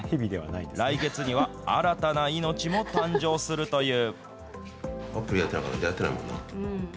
来月には新たな命も誕生するという。